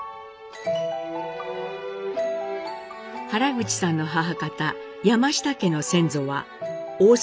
原口さんの母方・山下家の先祖は大崎